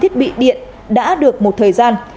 thiết bị điện đã được một thời gian